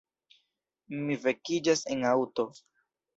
Mi vekiĝas en aŭto.